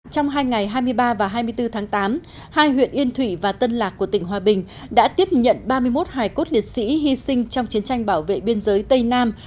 trong hai ngày hai mươi ba và hai mươi bốn tháng tám hai huyện yên thủy và tân lạc của tỉnh hòa bình đã tiếp nhận ba mươi một hải cốt liệt sĩ hy sinh trong chiến tranh bảo vệ biên giới tây nam